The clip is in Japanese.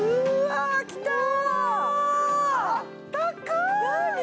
あったかい！